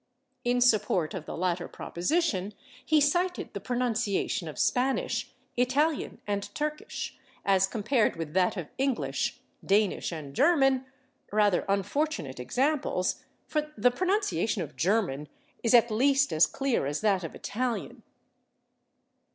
In support of the latter proposition he cited the pronunciation of Spanish, Italian and Turkish, as compared with that of English, Danish and German rather unfortunate examples, for the pronunciation of German is at least as clear as that of Italian.